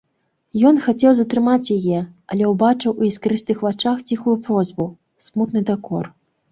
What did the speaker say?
Ён хацеў затрымаць яе, але ўбачыў у іскрыстых вачах ціхую просьбу, смутны дакор.